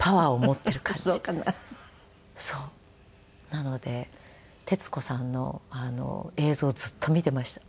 なので徹子さんの映像をずっと見ていました。